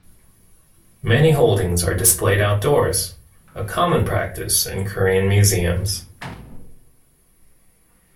Many holdings are displayed outdoors, a common practice in Korean museums.